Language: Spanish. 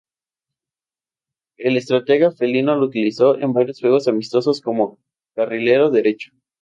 El estratega felino lo utilizó en varios juegos amistosos como carrilero derecho.